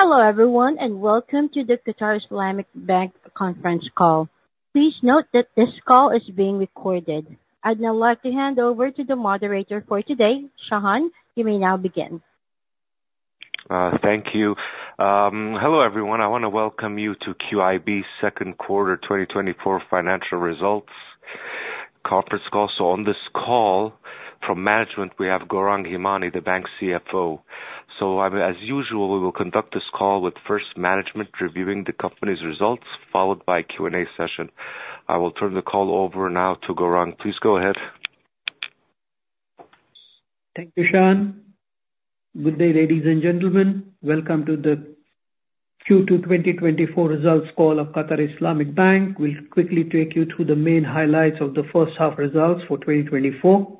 Hello, everyone, and welcome to the Qatar Islamic Bank conference call. Please note that this call is being recorded. I'd now like to hand over to the moderator for today. Shahan, you may now begin. Thank you. Hello, everyone. I want to welcome you to QIB's Second Quarter 2024 Financial Results Conference Call. On this call from management, we have Gourang Hemani, the bank's CFO. As usual, we will conduct this call with first management reviewing the company's results, followed by a Q&A session. I will turn the call over now to Gourang. Please go ahead. Thank you, Shahan. Good day, ladies and gentlemen. Welcome to the Q2 2024 results call of Qatar Islamic Bank. We'll quickly take you through the main highlights of the first half results for 2024.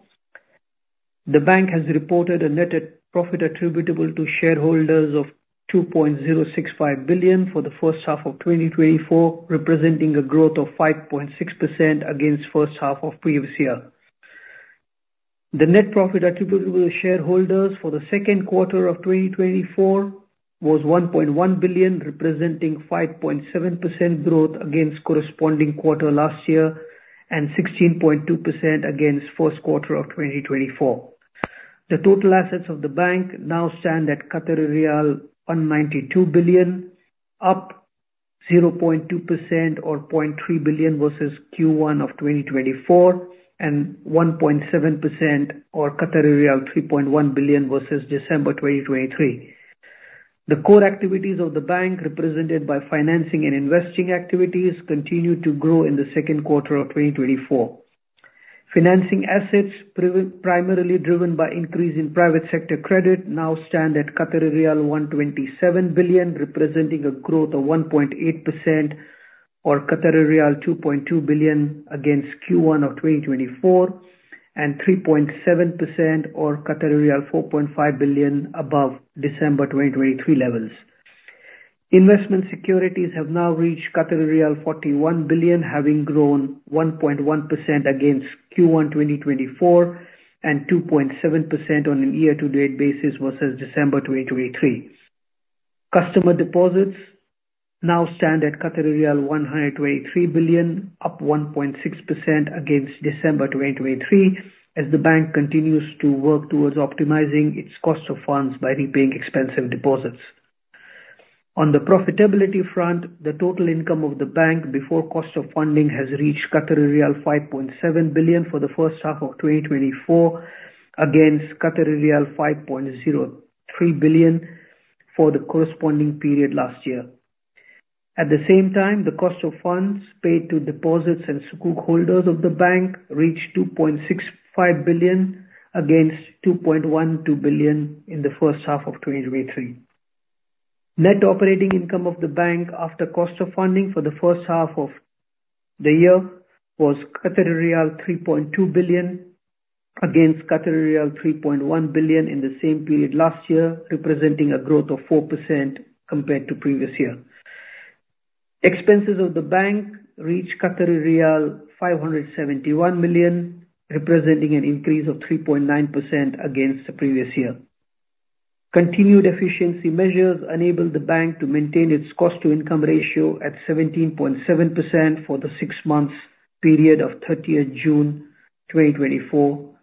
The bank has reported a net profit attributable to shareholders of 2.065 billion for the first half of 2024, representing a growth of 5.6% against first half of previous year. The net profit attributable to shareholders for the second quarter of 2024 was 1.1 billion, representing 5.7% growth against corresponding quarter last year and 16.2% against first quarter of 2024. The total assets of the bank now stand at 192 billion, up 0.2% or 0.3 billion versus Q1 of 2024, and 1.7% or 3.1 billion versus December 2023. The core activities of the bank, represented by financing and investing activities, continued to grow in the second quarter of 2024. Financing assets primarily driven by increase in private sector credit, now stand at 127 billion, representing a growth of 1.8% or 2.2 billion against Q1 of 2024, and 3.7% or 4.5 billion above December 2023 levels. Investment securities have now reached 41 billion, having grown 1.1% against Q1 2024 and 2.7% on a year-to-date basis versus December 2023. Customer deposits now stand at 123 billion, up 1.6% against December 2023, as the bank continues to work towards optimizing its cost of funds by repaying expensive deposits. On the profitability front, the total income of the bank before cost of funding has reached riyal 5.7 billion for the first half of 2024, against riyal 5.03 billion for the corresponding period last year. At the same time, the cost of funds paid to deposits and sukuk holders of the bank reached 2.65 billion, against 2.12 billion in the first half of 2023. Net operating income of the bank after cost of funding for the first half of the year was riyal 3.2 billion, against riyal 3.1 billion in the same period last year, representing a growth of 4% compared to previous year. Expenses of the bank reached Qatari riyal 571 million, representing an increase of 3.9% against the previous year. Continued efficiency measures enabled the bank to maintain its cost-to-income ratio at 17.7% for the six months period of thirtieth June 2024.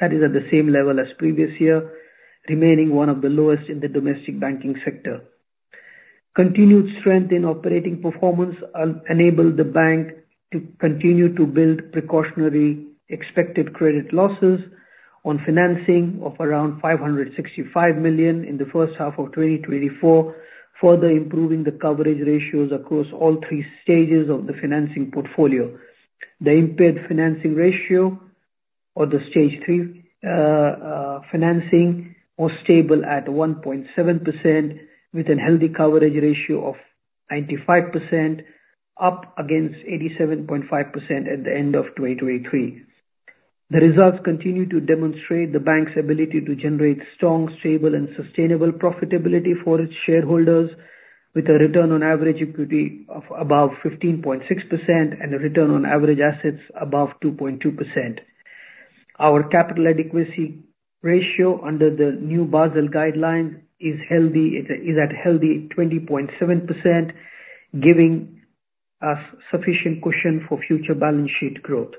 That is at the same level as previous year, remaining one of the lowest in the domestic banking sector. Continued strength in operating performance enabled the bank to continue to build precautionary expected credit losses on financing of around 565 million in the first half of 2024, further improving the coverage ratios across all three stages of the financing portfolio. The impaired financing ratio or the Stage 3 financing was stable at 1.7%, with a healthy coverage ratio of 95%, up against 87.5% at the end of 2023. The results continue to demonstrate the bank's ability to generate strong, stable, and sustainable profitability for its shareholders, with a return on average equity of above 15.6% and a return on average assets above 2.2%. Our capital adequacy ratio under the new Basel guideline is healthy; it is at a healthy 20.7%, giving us sufficient cushion for future balance sheet growth.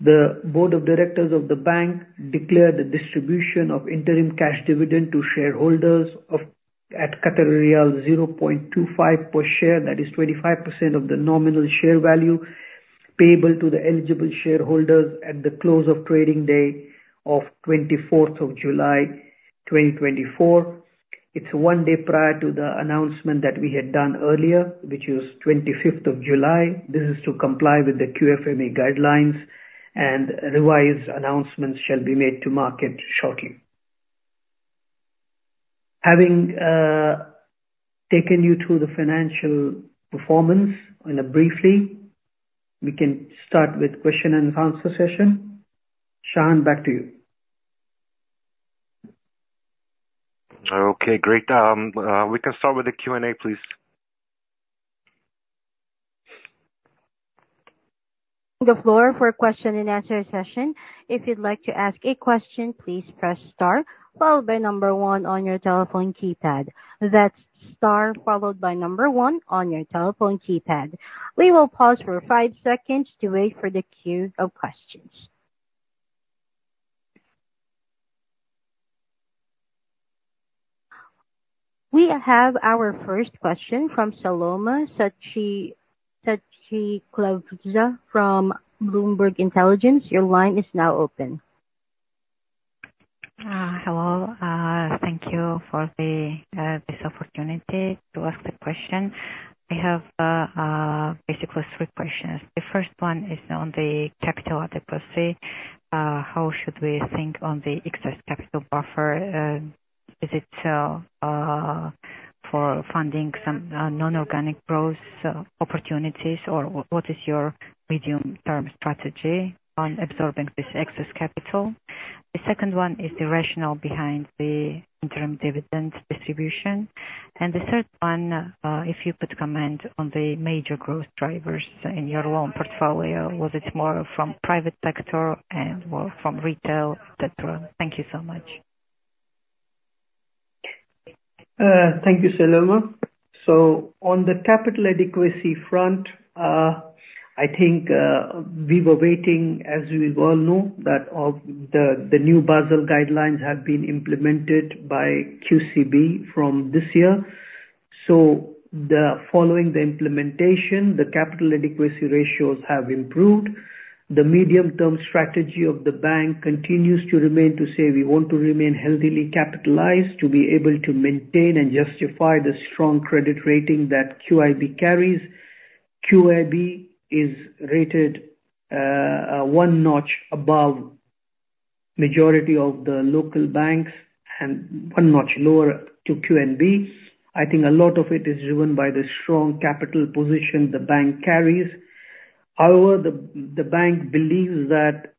The board of directors of the bank declared the distribution of interim cash dividend to shareholders of 0.25 per share. That is 25% of the nominal share value, payable to the eligible shareholders at the close of trading day of 24th of July, 2024. It's one day prior to the announcement that we had done earlier, which is 25th of July. This is to comply with the QFMA guidelines, and revised announcements shall be made to market shortly. Having taken you through the financial performance briefly, we can start with question and answer session. Shahan, back to you. Okay, great. We can start with the Q&A, please. the floor for question and answer session. If you'd like to ask a question, please press star, followed by number one on your telephone keypad. That's star, followed by number one on your telephone keypad. We will pause for five seconds to wait for the queue of questions. We have our first question from Salome Skhirtladze from Bloomberg Intelligence. Your line is now open. Hello. Thank you for this opportunity to ask the question. I have basically three questions. The first one is on the capital adequacy. How should we think on the excess capital buffer? Is it for funding some non-organic growth opportunities? Or what is your medium-term strategy on absorbing this excess capital? The second one is the rationale behind the interim dividend distribution. The third one, if you could comment on the major growth drivers in your loan portfolio, was it more from private sector and/or from retail, et cetera? Thank you so much. Thank you, Salome. So on the capital adequacy front, I think, we were waiting, as you well know, that the new Basel guidelines have been implemented by QCB from this year. So following the implementation, the capital adequacy ratios have improved. The medium-term strategy of the bank continues to remain to say we want to remain healthily capitalized, to be able to maintain and justify the strong credit rating that QIB carries. QIB is rated, one notch above majority of the local banks and one notch lower to QNB. I think a lot of it is driven by the strong capital position the bank carries. However, the bank believes that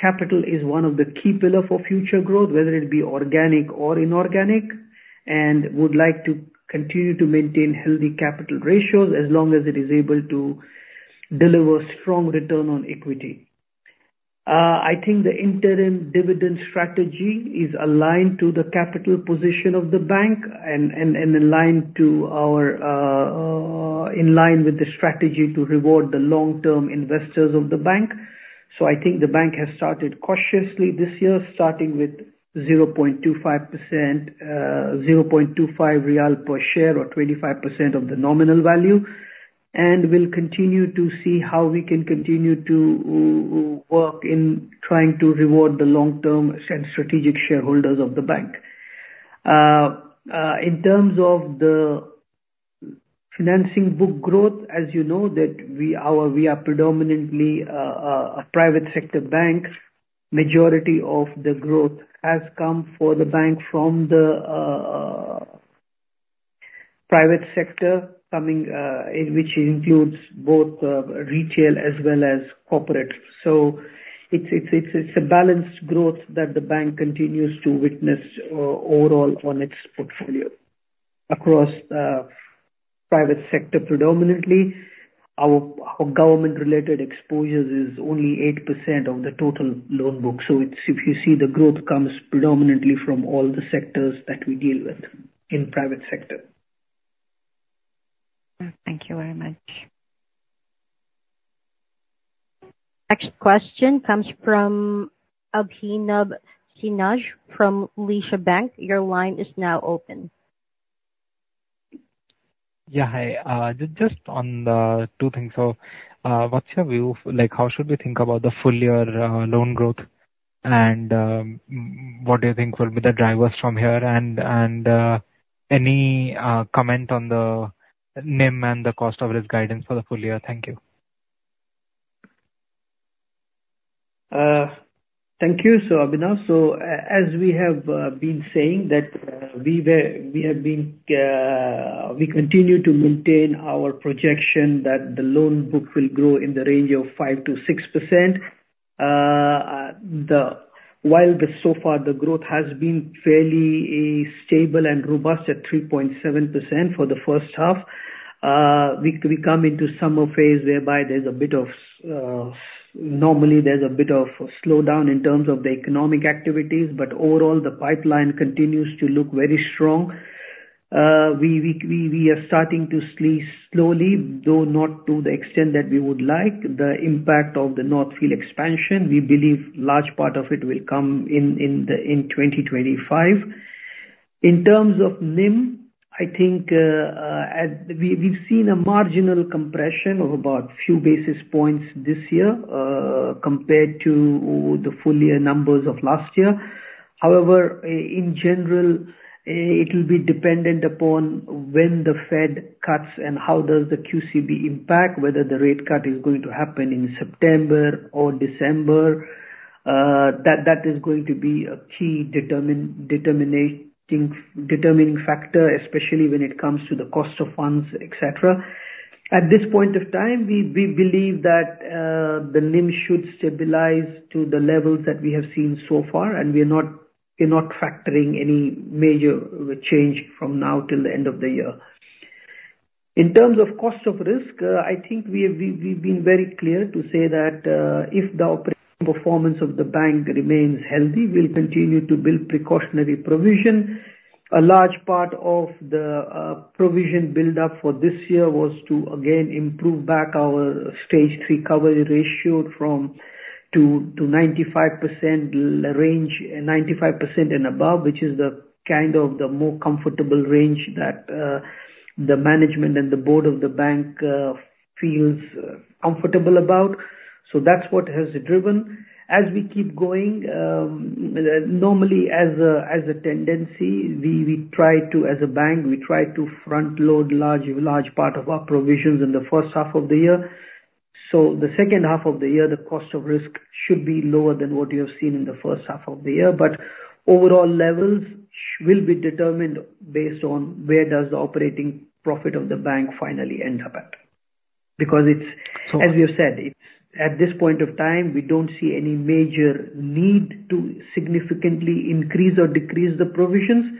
capital is one of the key pillar for future growth, whether it be organic or inorganic, and would like to continue to maintain healthy capital ratios as long as it is able to deliver strong return on equity. I think the interim dividend strategy is aligned to the capital position of the bank and aligned to our in line with the strategy to reward the long-term investors of the bank. So I think the bank has started cautiously this year, starting with 0.25%, 0.25 QAR per share or 25% of the nominal value. We'll continue to see how we can continue to work in trying to reward the long-term and strategic shareholders of the bank. In terms of the financing book growth, as you know, that we are predominantly a private sector bank. Majority of the growth has come for the bank from the private sector, coming, which includes both retail as well as corporate. So it's a balanced growth that the bank continues to witness overall on its portfolio. Across private sector predominantly, our government-related exposures is only 8% of the total loan book. So it's, if you see the growth comes predominantly from all the sectors that we deal with in private sector. Thank you very much. Next question comes from [Abhinav Kinash] from Lesha Bank. Your line is now open. Yeah, hi. Just on two things. So, what's your view—like, how should we think about the full year loan growth? And, what do you think will be the drivers from here? And, any comment on the NIM and the cost of risk guidance for the full year? Thank you. Thank you, so Abhinav. So as we have been saying, that we have been, we continue to maintain our projection that the loan book will grow in the range of 5%-6%. While so far the growth has been fairly stable and robust at 3.7% for the first half, we are starting to see slowly, though not to the extent that we would like, the impact of the North Field Expansion. We believe large part of it will come in, in the, in 2025. In terms of NIM, I think, we've seen a marginal compression of about few basis points this year, compared to the full year numbers of last year. However, in general, it will be dependent upon when the Fed cuts and how does the QCB impact, whether the rate cut is going to happen in September or December. That is going to be a key determination, determining factor, especially when it comes to the cost of funds, et cetera. At this point of time, we believe that the NIM should stabilize to the levels that we have seen so far, and we are not factoring any major change from now till the end of the year. In terms of cost of risk, I think we have been very clear to say that if the operating performance of the bank remains healthy, we'll continue to build precautionary provision. A large part of the provision build-up for this year was to again improve back our Stage 3 coverage ratio from to 95% range, 95% and above, which is the kind of the more comfortable range that the management and the board of the bank feels comfortable about. So that's what has driven. As we keep going, normally, as a tendency, as a bank, we try to front-load large part of our provisions in the first half of the year. So the second half of the year, the cost of risk should be lower than what you have seen in the first half of the year. But overall levels will be determined based on where does the operating profit of the bank finally end up at. Because as we have said, it's at this point of time, we don't see any major need to significantly increase or decrease the provisions,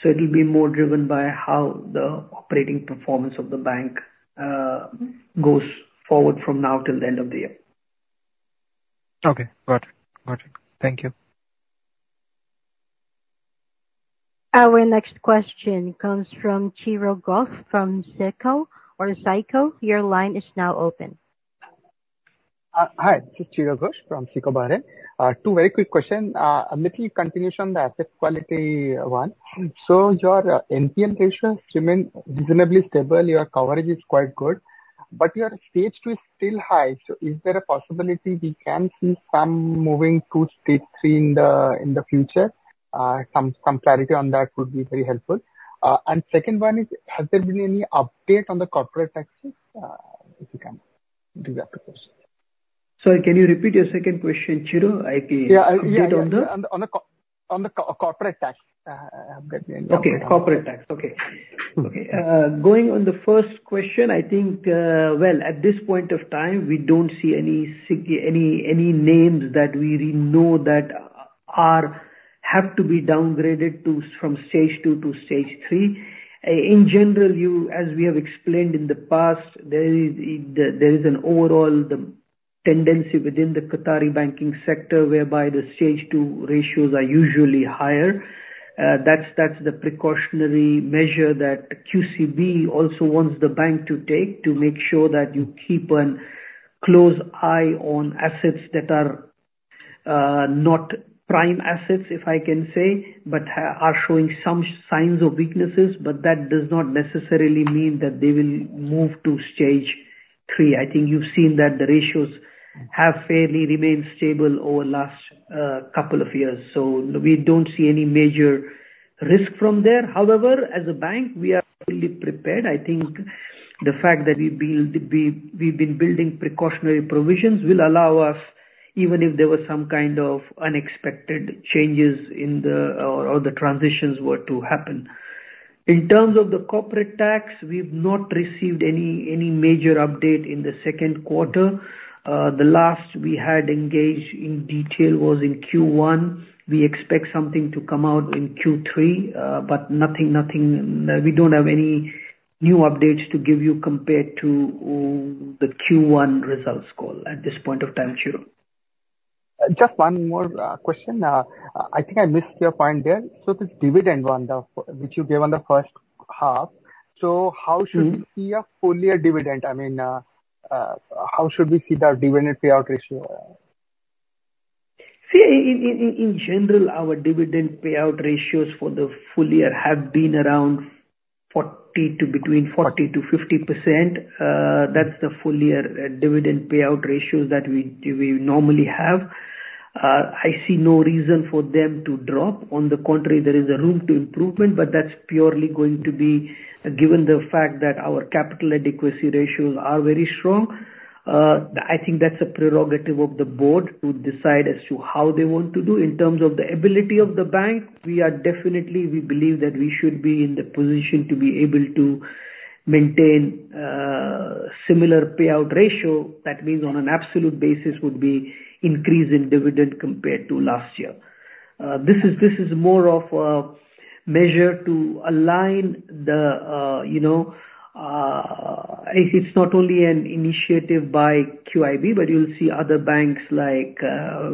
so it'll be more driven by how the operating performance of the bank goes forward from now till the end of the year. Okay, got it. Got it. Thank you. Our next question comes from Chiro Ghosh from SICO. Your line is now open. Hi, this is Chiro Ghosh from SICO Bahrain. Two very quick questions. A little continuation on the asset quality one. So your NPN ratios remain reasonably stable, your coverage is quite good, but your Stage 2 is still high. So is there a possibility we can see some moving to Stage 3 in the future? Some clarity on that would be very helpful. And second one is, has there been any update on the corporate taxes, if you can do that, of course? Sorry, can you repeat your second question, Chiro? I think- Yeah. Update on the- On the corporate tax. Okay, corporate tax, okay. Okay, going on the first question, I think, well, at this point of time, we don't see any names that we really know that have to be downgraded from Stage 2 to Stage 3. In general, as we have explained in the past, there is an overall tendency within the Qatari banking sector, whereby the Stage 2 ratios are usually higher. That's the precautionary measure that QCB also wants the bank to take, to make sure that you keep a close eye on assets that are not prime assets, if I can say, but are showing some signs of weaknesses, but that does not necessarily mean that they will move to Stage 3. I think you've seen that the ratios have fairly remained stable over the last couple of years, so we don't see any major risk from there. However, as a bank, we are fully prepared. I think the fact that we've been building precautionary provisions will allow us, even if there was some kind of unexpected changes in the or the transitions were to happen. In terms of the corporate tax, we've not received any major update in the second quarter. The last we had engaged in detail was in Q1. We expect something to come out in Q3, but nothing, we don't have any new updates to give you compared to the Q1 results call at this point of time, Chiro. Just one more question. I think I missed your point there. So this dividend one, the, which you gave on the first half, so how should we see a full year dividend? I mean, how should we see the dividend payout ratio? See, in general, our dividend payout ratios for the full year have been around 40% to 50%. That's the full year dividend payout ratio that we, we normally have. I see no reason for them to drop. On the contrary, there is a room to improvement, but that's purely going to be given the fact that our capital adequacy ratios are very strong. I think that's a prerogative of the board to decide as to how they want to do. In terms of the ability of the bank, we are definitely, we believe that we should be in the position to be able to maintain, similar payout ratio. That means, on an absolute basis, would be increase in dividend compared to last year. This is, this is more of a measure to align the, you know, it's not only an initiative by QIB, but you'll see other banks like,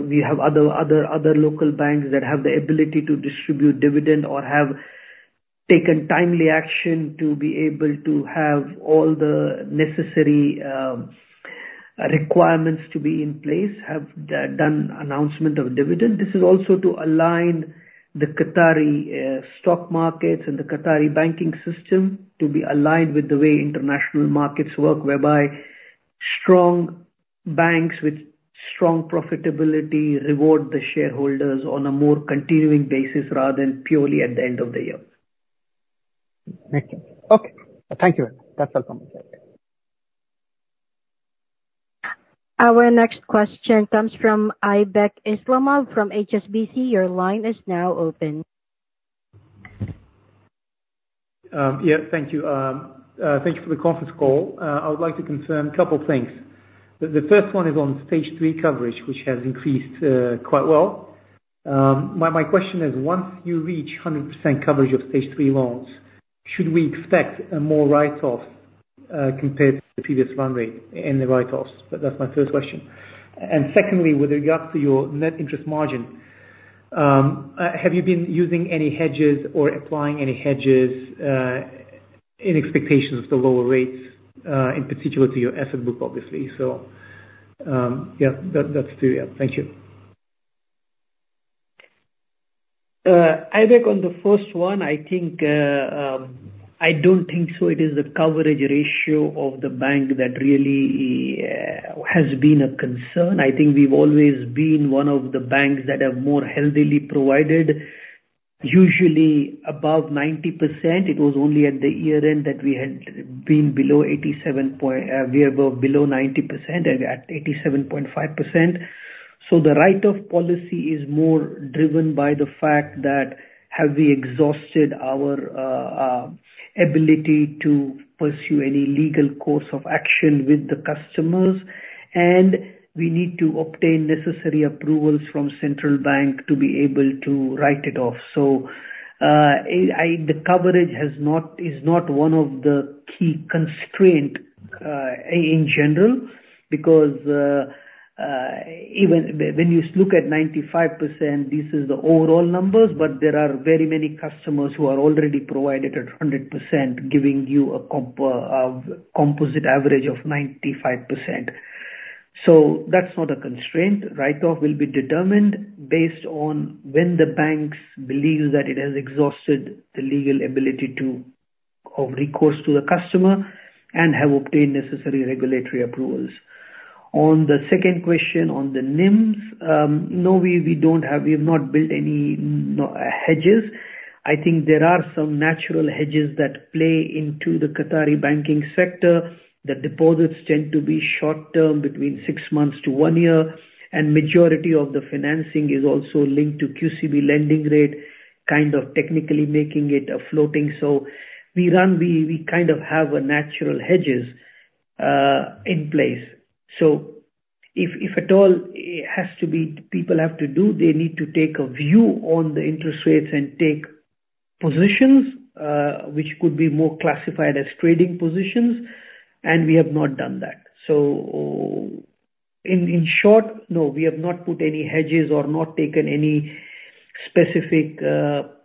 we have other local banks that have the ability to distribute dividend or have taken timely action to be able to have all the necessary requirements to be in place, have done announcement of dividend. This is also to align the Qatari stock markets and the Qatari banking system to be aligned with the way international markets work, whereby strong banks with strong profitability reward the shareholders on a more continuing basis rather than purely at the end of the year. Thank you. Okay. Thank you. That's all from my side. Our next question comes from Aybek Islamov from HSBC. Your line is now open. Yeah, thank you. Thank you for the conference call. I would like to concern a couple things. The first one is on Stage 3 coverage, which has increased quite well. My question is, once you reach 100% coverage of Stage 3 loans, should we expect more write-offs compared to the previous run rate in the write-offs? That's my first question. And secondly, with regard to your net interest margin, have you been using any hedges or applying any hedges in expectations to lower rates, in particular to your asset book, obviously? So, yeah, that's two. Thank you. I think on the first one, I think, I don't think so. It is the coverage ratio of the bank that really has been a concern. I think we've always been one of the banks that have more healthily provided, usually above 90%. It was only at the year-end that we had been below 87 point... We were below 90% and at 87.5%. So the write-off policy is more driven by the fact that have we exhausted our ability to pursue any legal course of action with the customers, and we need to obtain necessary approvals from central bank to be able to write it off. So, I, I... The coverage has not, is not one of the key constraint in general, because even when you look at 95%, this is the overall numbers, but there are very many customers who are already provided at 100%, giving you a composite average of 95%. So that's not a constraint. Write-off will be determined based on when the banks believes that it has exhausted the legal ability to, of recourse to the customer and have obtained necessary regulatory approvals. On the second question, on the NIMs, no, we have not built any hedges. I think there are some natural hedges that play into the Qatari banking sector. The deposits tend to be short term, between six months to one year, and majority of the financing is also linked to QCB lending rate, kind of technically making it a floating. So we kind of have a natural hedge in place. So if at all it has to be, they need to take a view on the interest rates and take positions, which could be more classified as trading positions, and we have not done that. So in short, no, we have not put any hedges or not taken any specific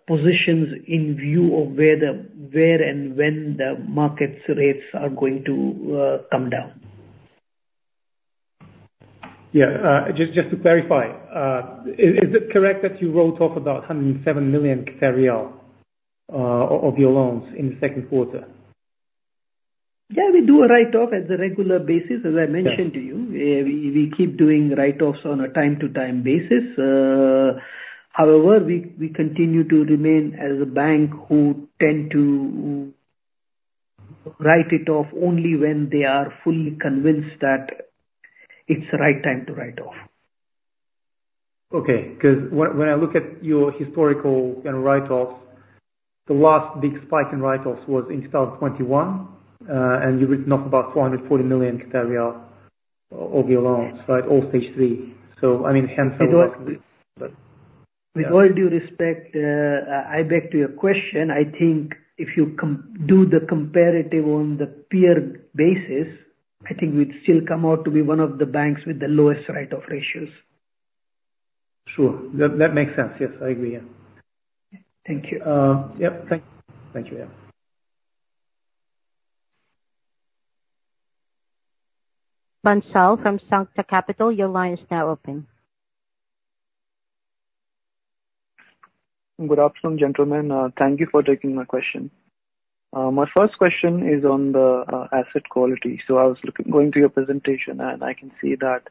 positions in view of where the, where and when the market rates are going to come down. Yeah. Just to clarify, is it correct that you wrote off about 107 million of your loans in the second quarter? Yeah, we do a write-off as a regular basis, as I mentioned to you. We keep doing write-offs on a time-to-time basis. However, we continue to remain as a bank who tend to write it off only when they are fully convinced that it's the right time to write off. Okay. 'Cause when I look at your historical write-offs, the last big spike in write-offs was in 2021, and you written off about 440 million of your loans, right? All Stage 3. So, I mean, hence the- With all due respect, I beg to your question, I think if you do the comparative on the peer basis, I think we'd still come out to be one of the banks with the lowest write-off ratios. Sure. That makes sense. Yes, I agree. Yeah. Thank you. Yep. Thank you. Yeah. Bansal from Sancta Capital, your line is now open. Good afternoon, gentlemen. Thank you for taking my question. My first question is on the asset quality. So I was going through your presentation, and I can see that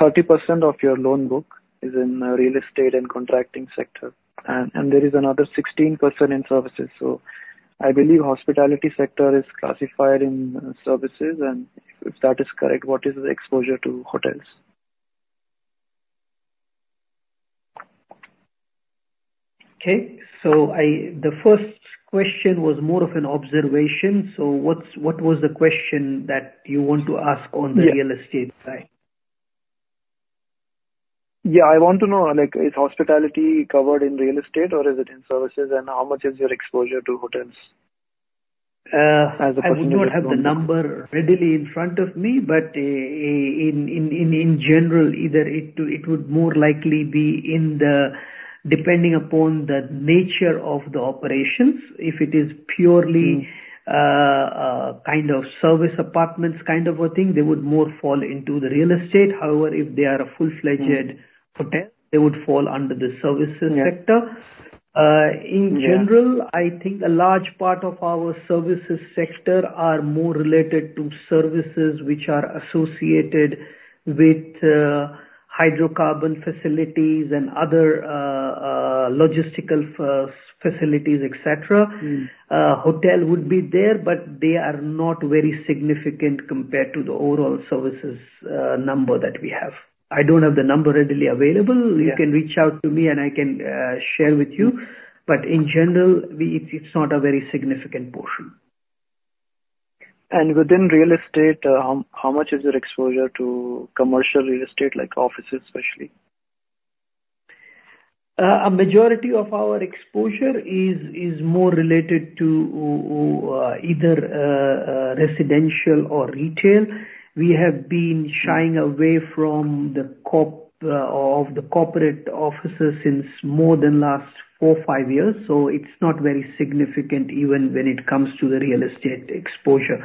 30% of your loan book is in real estate and contracting sector, and there is another 16% in services. So I believe hospitality sector is classified in services, and if that is correct, what is the exposure to hotels? Okay. So I... The first question was more of an observation, so what was the question that you want to ask on the real estate side? Yeah, I want to know, like, is hospitality covered in real estate or is it in services, and how much is your exposure to hotels? Uh- As a percentage. I do not have the number readily in front of me, but, in general, either it would more likely be in the depending upon the nature of the operations. If it is purely kind of service apartments kind of a thing, they would more fall into the real estate. However, if they are a full-fledged hotel. They would fall under the services sector. Yeah. In general, I think a large part of our services sector are more related to services which are associated with hydrocarbon facilities and other logistical facilities, et cetera. Hotel would be there, but they are not very significant compared to the overall services, number that we have. I don't have the number readily available. Yeah. You can reach out to me, and I can share with you, but in general, it's not a very significant portion. Within real estate, how much is your exposure to commercial real estate, like offices especially? A majority of our exposure is more related to either residential or retail. We have been shying away from the corporate offices since more than last 4, 5 years, so it's not very significant even when it comes to the real estate exposure.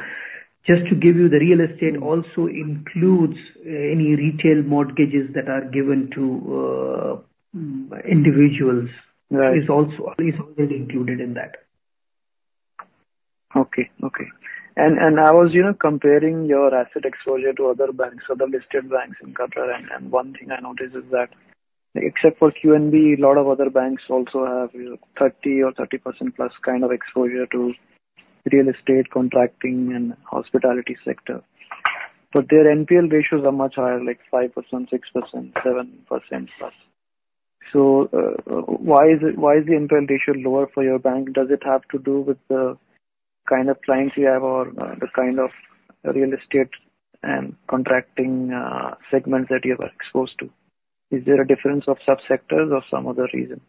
Just to give you, the real estate also includes any retail mortgages that are given to individuals- Right. is also included in that. Okay, okay. And, and I was, you know, comparing your asset exposure to other banks, other listed banks in Qatar, and, and one thing I noticed is that except for QNB, a lot of other banks also have, you know, 30% or 30%+ kind of exposure to real estate contracting and hospitality sector. But their NPL ratios are much higher, like 5%, 6%, 7% plus. So, why is it, why is the NPL ratio lower for your bank? Does it have to do with the kind of clients you have or the kind of real estate and contracting, segments that you are exposed to? Is there a difference of subsectors or some other reason?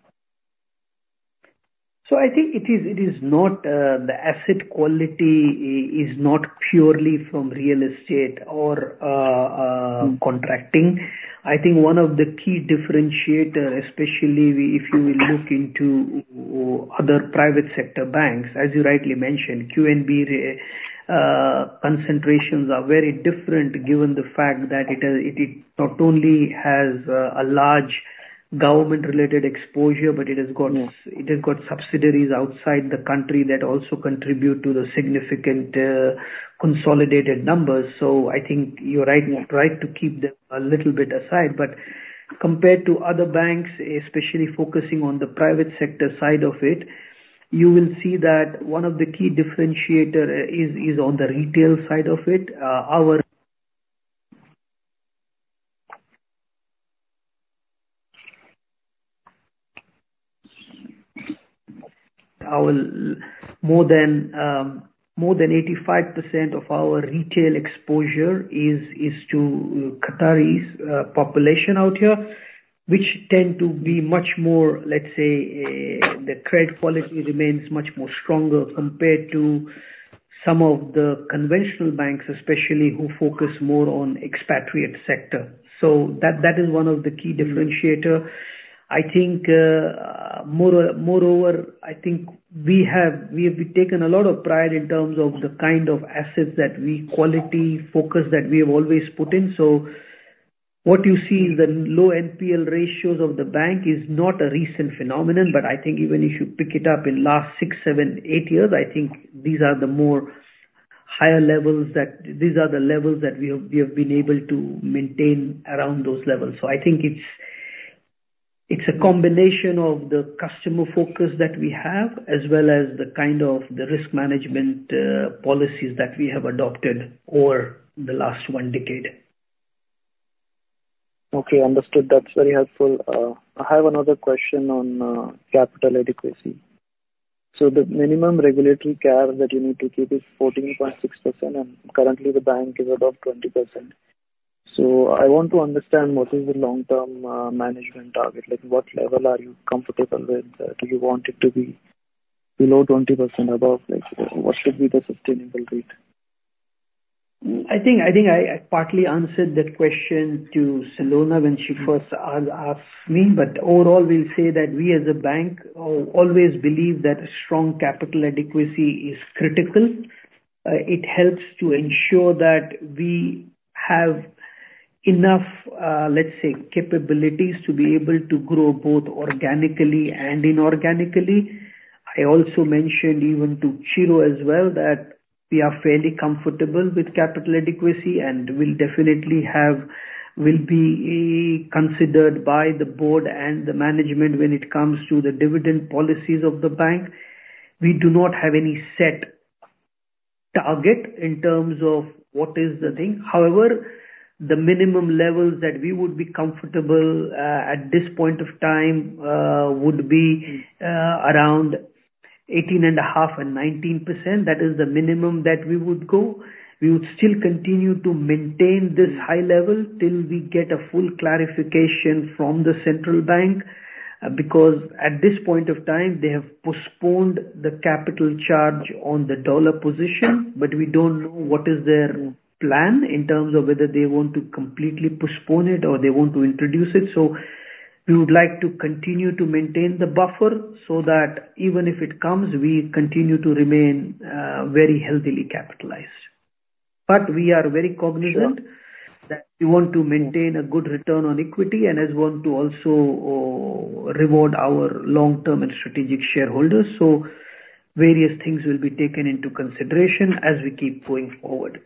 So I think it is not. The asset quality is not purely from real estate or contracting. I think one of the key differentiator, especially if you will look into other private sector banks, as you rightly mentioned, QNB, concentrations are very different, given the fact that it not only has a large government-related exposure, but it has got- Yes.... it has got subsidiaries outside the country that also contribute to the significant, consolidated numbers. So I think you're right, right to keep them a little bit aside. But compared to other banks, especially focusing on the private sector side of it, you will see that one of the key differentiator is, is on the retail side of it. Our, our more than, more than 85% of our retail exposure is, is to Qataris, population out here, which tend to be much more, let's say, the credit quality remains much more stronger compared to some of the conventional banks, especially who focus more on expatriate sector. So that, that is one of the key differentiator. I think, moreover, I think we have, we have taken a lot of pride in terms of the kind of assets that we quality focus that we have always put in. So what you see, the low NPL ratios of the bank is not a recent phenomenon, but I think even if you pick it up in last 6, 7, 8 years, I think these are the more higher levels that... These are the levels that we have, we have been able to maintain around those levels. So I think it's, it's a combination of the customer focus that we have, as well as the kind of the risk management policies that we have adopted over the last one decade. Okay, understood. That's very helpful. I have another question on capital adequacy. So the minimum regulatory cap that you need to keep is 14.6%, and currently the bank is about 20%. So I want to understand, what is the long-term management target? Like, what level are you comfortable with? Do you want it to be below 20%, above? Like, what should be the sustainable rate? I think I partly answered that question to Salome when she first asked me. But overall, we'll say that we, as a bank, always believe that strong capital adequacy is critical. It helps to ensure that we have enough, let's say, capabilities to be able to grow both organically and inorganically. I also mentioned even to Chiro as well, that we are fairly comfortable with capital adequacy, and we'll definitely will be considered by the board and the management when it comes to the dividend policies of the bank. We do not have any set target in terms of what is the thing. However, the minimum levels that we would be comfortable, at this point of time, would be around 18.5%-19%. That is the minimum that we would go. We would still continue to maintain this high level till we get a full clarification from the central bank, because at this point of time, they have postponed the capital charge on the dollar position, but we don't know what is their plan in terms of whether they want to completely postpone it or they want to introduce it. So we would like to continue to maintain the buffer so that even if it comes, we continue to remain very healthily capitalized. But we are very cognizant that we want to maintain a good return on equity and we want to also reward our long-term and strategic shareholders. So various things will be taken into consideration as we keep going forward.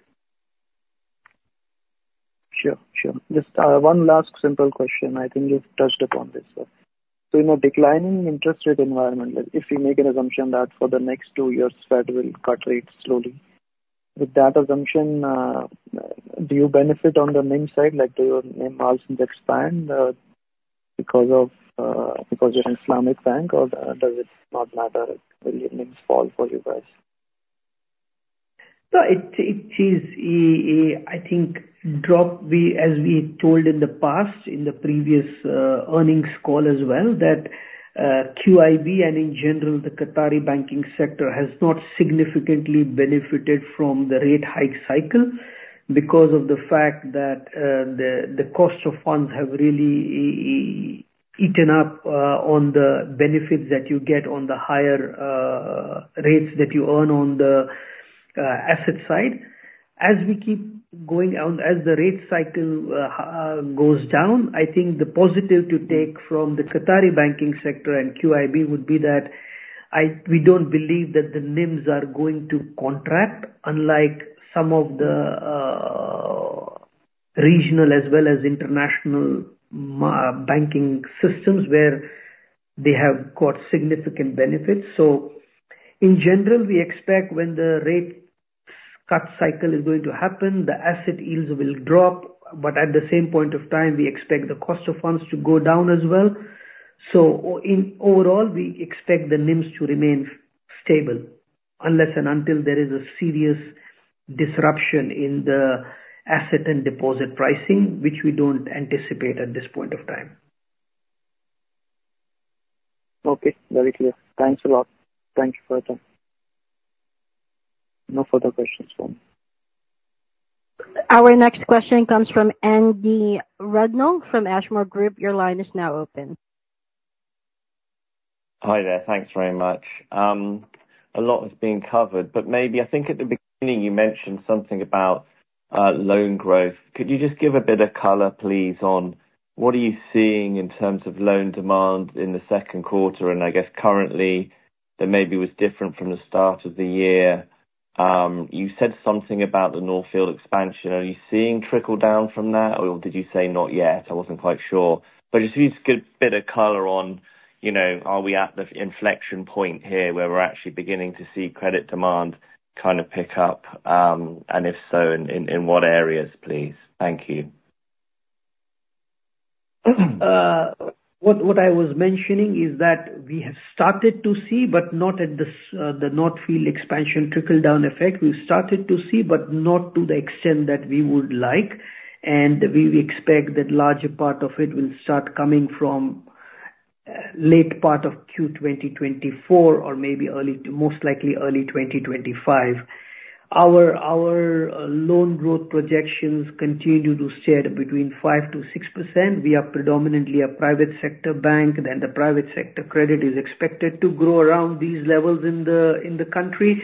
Sure, sure. Just, one last simple question, I think you've touched upon this. So in a declining interest rate environment, like, if you make an assumption that for the next 2 years, Fed will cut rates slowly, with that assumption, do you benefit on the NIM side, like do your NIM also expand?... because of, because you're an Islamic bank, or, does it not matter if the earnings fall for you guys? No, it is a drop, as we told in the past, in the previous earnings call as well, that QIB and in general, the Qatari banking sector has not significantly benefited from the rate hike cycle because of the fact that the cost of funds have really eaten up on the benefits that you get on the higher rates that you earn on the asset side. As we keep going on, as the rate cycle goes down, I think the positive to take from the Qatari banking sector and QIB would be that we don't believe that the NIMs are going to contract, unlike some of the regional as well as international banking systems, where they have got significant benefits. So in general, we expect when the rate cut cycle is going to happen, the asset yields will drop, but at the same point of time, we expect the cost of funds to go down as well. So overall, we expect the NIMs to remain stable unless and until there is a serious disruption in the asset and deposit pricing, which we don't anticipate at this point of time. Okay, very clear. Thanks a lot. Thank you for your time. No further questions for me. Our next question comes from Andy Brudenell from Ashmore Group. Your line is now open. Hi there. Thanks very much. A lot has been covered, but maybe I think at the beginning you mentioned something about loan growth. Could you just give a bit of color, please, on what are you seeing in terms of loan demand in the second quarter? And I guess currently, that maybe was different from the start of the year. You said something about the North Field expansion. Are you seeing trickle-down from that, or did you say not yet? I wasn't quite sure. But just give a bit of color on, you know, are we at the inflection point here, where we're actually beginning to see credit demand kind of pick up? And if so, in what areas, please? Thank you. What I was mentioning is that we have started to see, but not at the, the North Field Expansion trickle-down effect. We've started to see, but not to the extent that we would like, and we expect that larger part of it will start coming from late part of Q 2024 or maybe early to most likely early 2025. Our loan growth projections continue to stay between 5%-6%. We are predominantly a private sector bank, and the private sector credit is expected to grow around these levels in the country.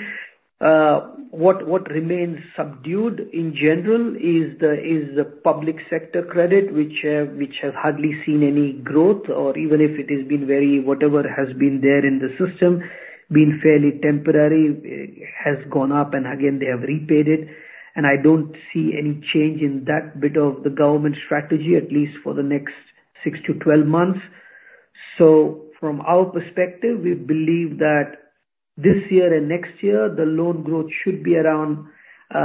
What remains subdued, in general, is the public sector credit, which has hardly seen any growth or even if it has, whatever has been there in the system has been fairly temporary, has gone up, and again, they have repaid it. And I don't see any change in that bit of the government strategy, at least for the next 6-12 months. So from our perspective, we believe that this year and next year, the loan growth should be around 5%-6%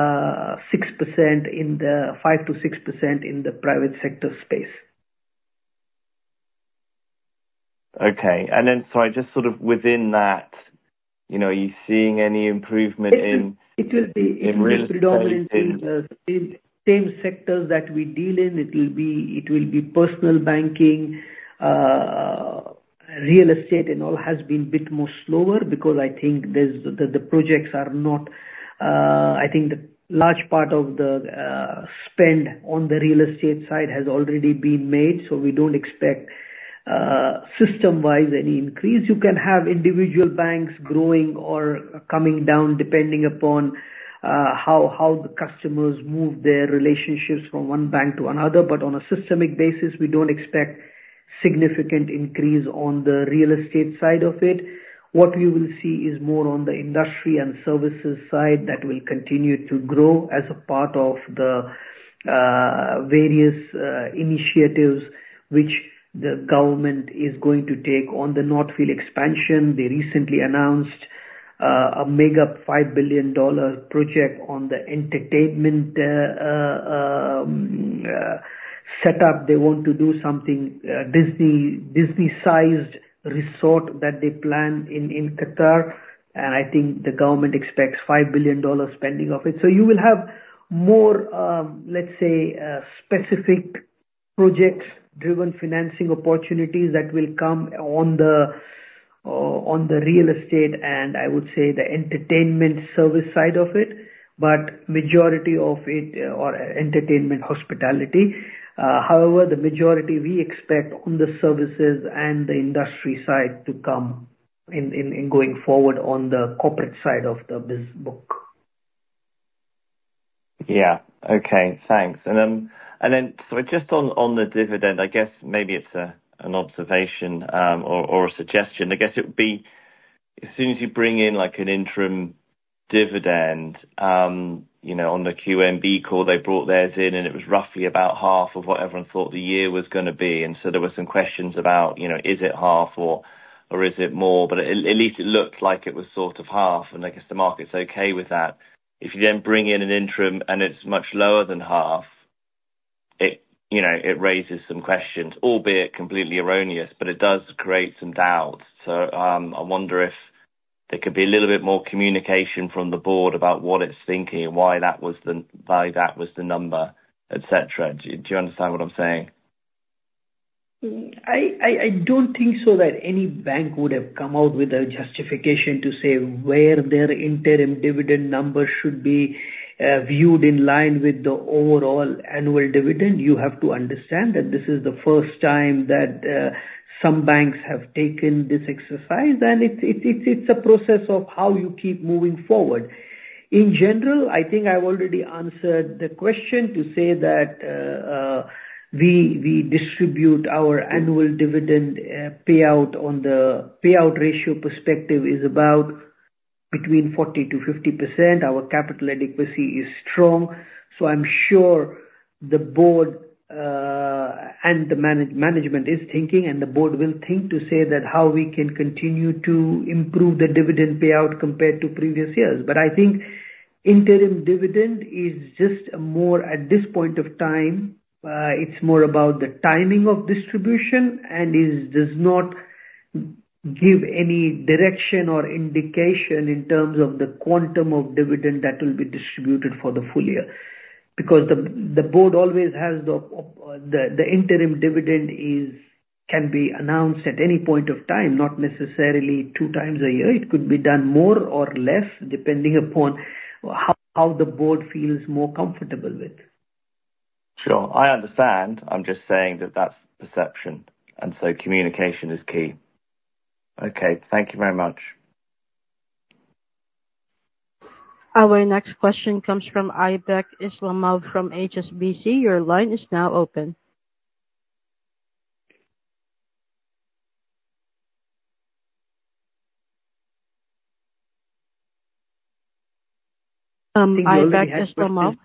in the private sector space. Okay. And then, so I just sort of within that, you know, are you seeing any improvement in- It will be- In real- Predominantly in the same sectors that we deal in, it will be, it will be personal banking. Real estate and all has been a bit more slower because I think there's, the, the projects are not. I think the large part of the spend on the real estate side has already been made, so we don't expect system-wide any increase. You can have individual banks growing or coming down, depending upon how, how the customers move their relationships from one bank to another, but on a systemic basis, we don't expect significant increase on the real estate side of it. What we will see is more on the industry and services side, that will continue to grow as a part of the various initiatives which the government is going to take on the North Field Expansion. They recently announced a mega $5 billion project on the entertainment setup. They want to do something Disney, Disney-sized resort that they plan in Qatar, and I think the government expects $5 billion spending of it. So you will have more, let's say, specific project-driven financing opportunities that will come on the real estate, and I would say the entertainment service side of it, but majority of it or entertainment hospitality. However, the majority we expect on the services and the industry side to come in going forward on the corporate side of the biz book. Yeah. Okay, thanks. And then so just on the dividend, I guess maybe it's a, an observation, or a suggestion. I guess it would be, as soon as you bring in like an interim dividend, you know, on the QNB call, they brought theirs in, and it was roughly about half of what everyone thought the year was gonna be. And so there were some questions about, you know, is it half or is it more? But at least it looked like it was sort of half, and I guess the market's okay with that. If you then bring in an interim and it's much lower than half... it, you know, it raises some questions, albeit completely erroneous, but it does create some doubts. I wonder if there could be a little bit more communication from the board about what it's thinking and why that was the, why that was the number, et cetera. Do you understand what I'm saying? I don't think so, that any bank would have come out with a justification to say where their interim dividend numbers should be viewed in line with the overall annual dividend. You have to understand that this is the first time that some banks have taken this exercise, and it's a process of how you keep moving forward. In general, I think I've already answered the question to say that we distribute our annual dividend payout on the payout ratio perspective is about between 40%-50%. Our capital adequacy is strong, so I'm sure the board and the management is thinking, and the board will think to say that how we can continue to improve the dividend payout compared to previous years. But I think interim dividend is just more, at this point of time, it's more about the timing of distribution and does not give any direction or indication in terms of the quantum of dividend that will be distributed for the full year. Because the board always has the interim dividend can be announced at any point of time, not necessarily two times a year. It could be done more or less, depending upon how the board feels more comfortable with. Sure. I understand. I'm just saying that that's perception, and so communication is key. Okay, thank you very much. Our next question comes from Aybek Islamov from HSBC. Your line is now open. Aybek Islamov?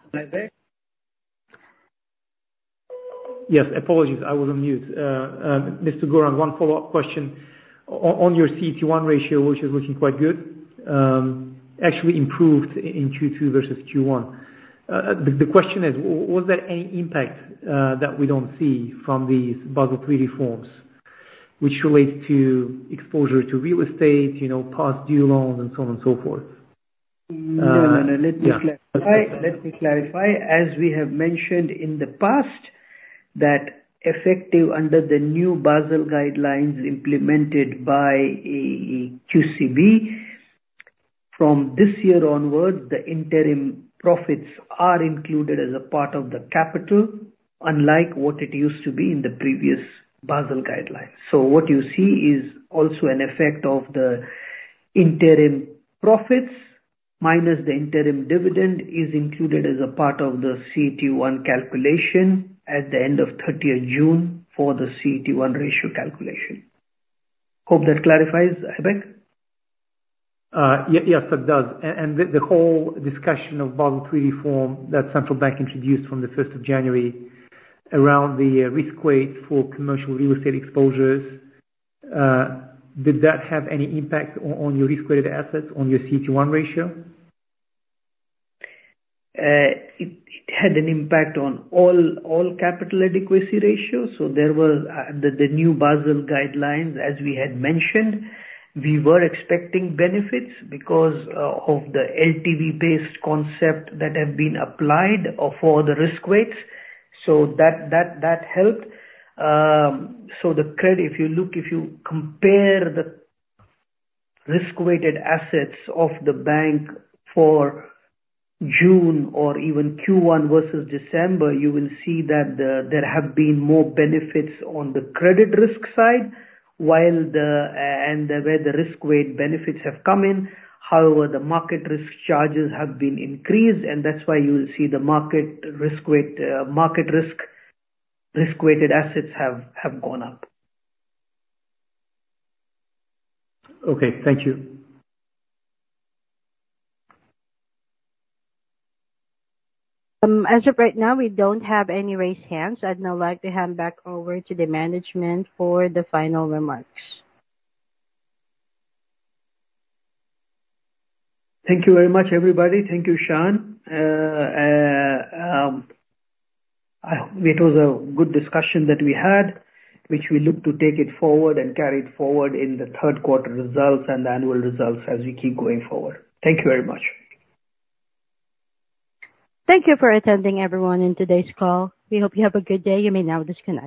Yes, apologies, I was on mute. Mr. Gourang, one follow-up question. On your CET1 ratio, which is looking quite good, actually improved in Q2 versus Q1. The question is, was there any impact that we don't see from these Basel III reforms, which relates to exposure to real estate, you know, past due loans and so on and so forth? No, no, no. Yeah. Let me clarify. Let me clarify. As we have mentioned in the past, that effective under the new Basel guidelines implemented by QCB, from this year onwards, the interim profits are included as a part of the capital, unlike what it used to be in the previous Basel guidelines. So what you see is also an effect of the interim profits, minus the interim dividend, is included as a part of the CET1 calculation at the end of thirtieth June for the CET1 ratio calculation. Hope that clarifies, Aybek? Yes, that does. And the whole discussion of Basel III reform that Central Bank introduced from the first of January around the risk weight for commercial real estate exposures, did that have any impact on your risk-weighted assets, on your CET1 ratio? It had an impact on all capital adequacy ratios, so there were the new Basel guidelines, as we had mentioned. We were expecting benefits because of the LTV-based concept that have been applied for the risk weights. So that helped. So the credit, if you look, if you compare the risk-weighted assets of the bank for June or even Q1 versus December, you will see that there have been more benefits on the credit risk side, while and where the risk weight benefits have come in. However, the market risk charges have been increased, and that's why you will see the market risk weight market risk risk-weighted assets have gone up. Okay, thank you. As of right now, we don't have any raised hands. I'd now like to hand back over to the management for the final remarks. Thank you very much, everybody. Thank you, Shahan. It was a good discussion that we had, which we look to take it forward and carry it forward in the third quarter results and annual results as we keep going forward. Thank you very much. Thank you for attending everyone in today's call. We hope you have a good day. You may now disconnect.